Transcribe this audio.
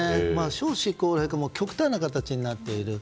少子高齢化も極端な形になっている。